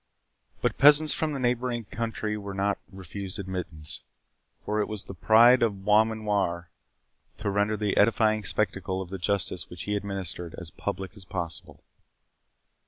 But peasants from the neighbouring country were not refused admittance; for it was the pride of Beaumanoir to render the edifying spectacle of the justice which he administered as public as possible.